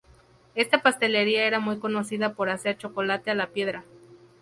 Esta pastelería era muy conocida por hacer chocolate a la piedra.